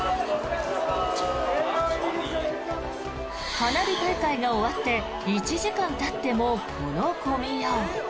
花火大会が終わって１時間たってもこの混みよう。